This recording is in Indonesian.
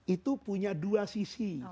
itu punya dua sisi